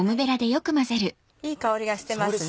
いい香りがしてますね。